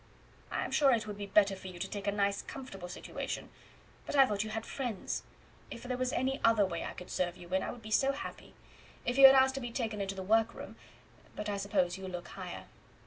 "I am sure it would be better for you to take a nice comfortable situation; but I thought you had friends. If there was any other way that I could serve you in I would be so happy. If you had asked to be taken into the work room but I suppose you look higher."